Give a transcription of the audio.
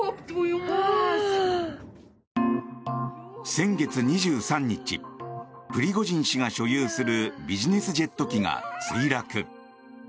先月２３日プリゴジン氏が所有するビジネスジェット機が墜落。